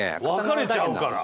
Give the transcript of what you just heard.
分かれちゃうから？